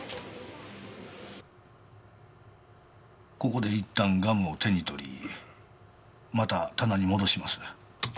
ここで一旦ガムを手に取りまた棚に戻します。